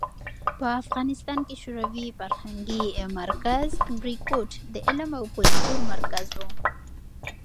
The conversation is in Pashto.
په افغانستان کې شوروي فرهنګي مرکز "بریکوټ" د علم او کلتور مرکز و.